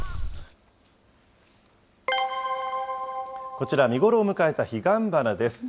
こちら、見頃を迎えたヒガンバナです。